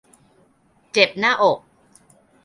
เจ็บหน้าอก